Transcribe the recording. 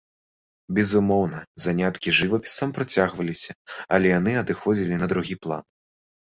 Безумоўна, заняткі жывапісам працягваліся, але яны адыходзілі на другі план.